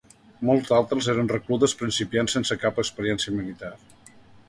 Molts d'altres eren reclutes principiants sense cap experiència militar.